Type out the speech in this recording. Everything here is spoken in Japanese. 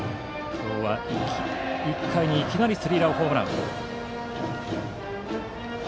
今日は１回にいきなりスリーランホームラン。